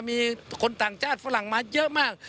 มีคนต่างชาติฝรั่งมาเยอะมาก